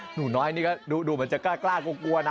หนูน้อยนี่ก็ดูมันจะกล้ากล้ากลัวนะ